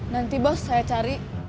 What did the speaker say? nanti bos saya cari